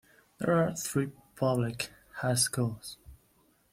There are three public high schools.